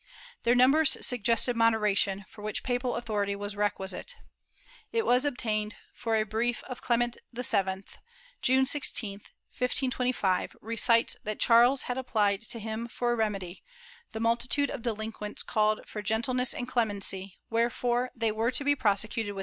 Their numbers suggested moderation, for which papal authority was requisite. It was obtained, for a brief of Clement VII, June 16, 1525, recites that Charles had applied to him for a remedy; the multitude of delinquents called for gentle ness and clemency, wherefore they were to be prosecuted with a * Sandoval, Lib.